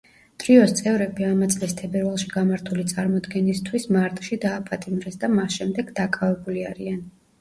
ტრიოს წევრები ამა წლის თებერვალში გამართული წარმოდგენისთვის მარტში დააპატიმრეს და მას შემდეგ დაკავებული არიან.